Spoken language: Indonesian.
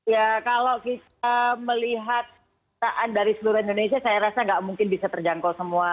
ya kalau kita melihat dari seluruh indonesia saya rasa nggak mungkin bisa terjangkau semua